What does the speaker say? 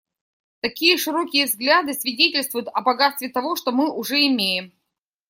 Такие широкие взгляды свидетельствуют о богатстве того, что мы уже имеем.